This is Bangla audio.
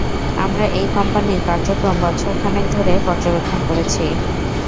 আমরা এই কোম্পানির কার্যক্রম বছরখানেক ধরে পর্যবেক্ষণ করছি।